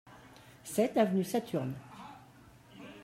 sept avenue Saturne